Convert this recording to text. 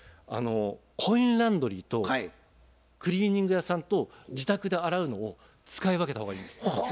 コインランドリーとクリーニング屋さんと自宅で洗うのを使い分けた方がいいです。